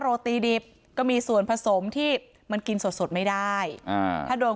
โรตีดิบก็มีส่วนผสมที่มันกินสดสดไม่ได้อ่าถ้าโดน